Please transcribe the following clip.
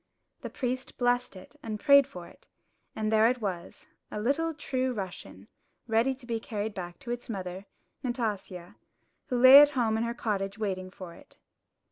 The priest blessed it and prayed for it; and there it was, a little true Russian, ready to be carried back to its mother, Nastasia, who lay at home in her cottage waiting for it.